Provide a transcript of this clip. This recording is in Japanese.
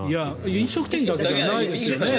飲食店だけじゃないですよね。